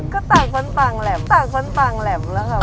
ก็ต่างคนต่างแหลมต่างคนต่างแหลมแล้วค่ะ